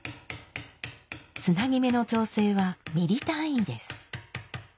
つなぎ目の調整はミリ単位です。